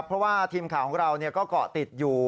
เพราะว่าทีมข่าวของเราก็เกาะติดอยู่